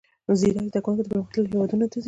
زیرک زده کوونکي پرمختللیو هیوادونو ته ځي.